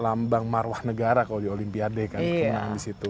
lambang marwah negara kalau di olimpiade kan kemenangan di situ